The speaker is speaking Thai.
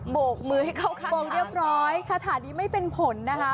โบกมือให้เข้าข้างกองเรียบร้อยคาถานี้ไม่เป็นผลนะคะ